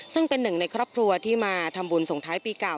ซึ่งเป็นหนึ่งในครอบครัวที่มาทำบุญส่งท้ายปีเก่า